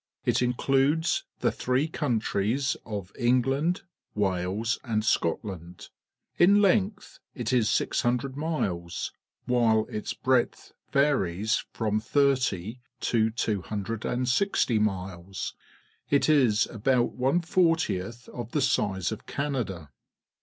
It includes the three countries of England, Wales, and Scotland. In length it is 600 miles, while its breadth varies from 30 to 260 miles. It is about one fortieth of the size of Canada.